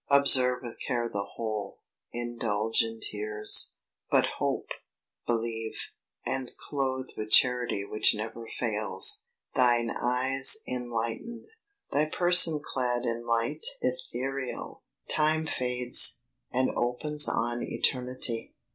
Observe with care the whole, indulge in tears, But hope, believe, and clothed with charity Which never fails, thine eyes enlightened, Thy person clad in light ethereal. Time fades, and opens on eternity.